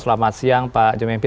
selamat siang pak john wempi